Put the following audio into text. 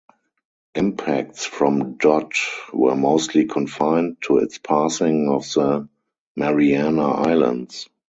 Impacts from Dot were mostly confined to its passing of the Mariana Islands.